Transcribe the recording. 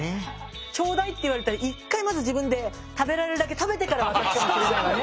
ちょうだいって言われたら一回まず自分で食べられるだけ食べてから渡したりするじゃないね。